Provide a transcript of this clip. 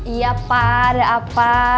iya pak ada apa